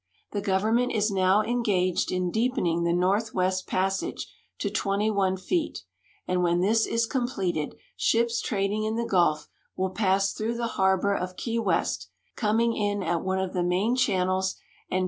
4'he Government is now engaged in deepening the northwest ]>assage to 21 feet, and when this is completed ships trading in , the gulf will ])ass through the harbor of Key West, coming in at one of the main channels and pa.